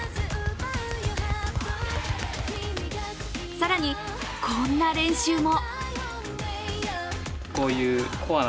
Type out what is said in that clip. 更に、こんな練習も。